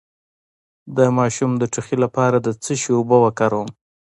د ماشوم د ټوخي لپاره د څه شي اوبه وکاروم؟